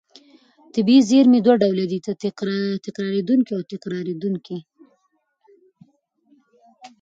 طبیعي زېرمې دوه ډوله دي: نه تکرارېدونکې او تکرارېدونکې.